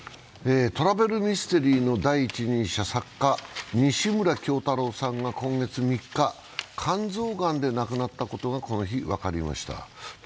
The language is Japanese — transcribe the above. トラベルミステリーの第一人者、作家・西村京太郎さんが今月３日、肝臓がんで亡くなったことがこの日、分かりました。